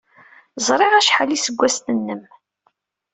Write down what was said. Ẓriɣ acḥal iseggasen-nnem.